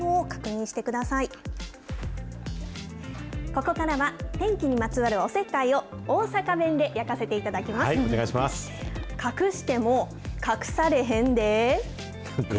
ここからは天気にまつわるおせっかいを大阪弁で焼かせていたお願いします。